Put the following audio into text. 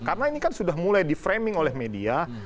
karena ini kan sudah mulai di framing oleh media